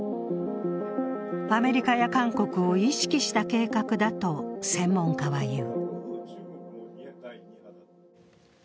アメリカや韓国を意識した計画だと専門家は言う。